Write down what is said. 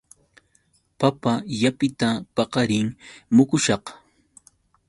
Papa llapita paqarin mukushaq.